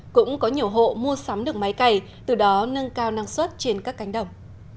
cũng có nhiều hộ mua sắm được máy cày từ đó nâng cao năng suất trên các cánh đồng